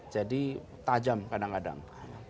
jadi tajam kadang kadang